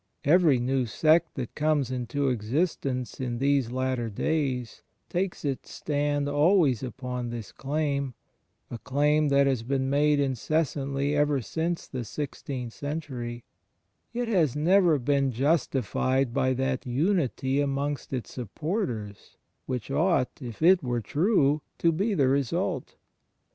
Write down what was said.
Every new sect that comes into existence in these latter days takes its stand always upon this claim — a claim that has been made incessantly ever since the sixteenth century — yet has never been justified by that imity amongst its supporters which ought, if it were true, to be the result.